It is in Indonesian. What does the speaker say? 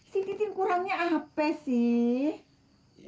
si titin kurangnya apa sih